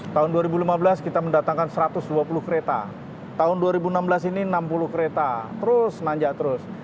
tahun dua ribu lima belas kita mendatangkan satu ratus dua puluh kereta tahun dua ribu enam belas ini enam puluh kereta terus nanjak terus